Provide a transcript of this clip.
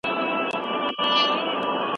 که کومه ستونزه وه نو ما ته ووایه.